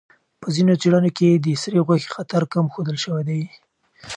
په ځینو څېړنو کې د سرې غوښې خطر کم ښودل شوی دی.